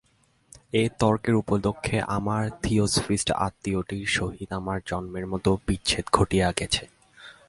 এই তর্কের উপলক্ষে আমার থিয়সফিস্ট আত্মীয়টির সহিত আমার জন্মের মতো বিচ্ছেদ ঘটিয়া গেছে।